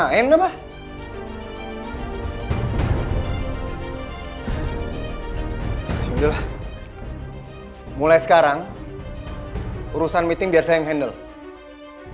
alhamdulillah mulai sekarang urusan meeting biar saya yang handle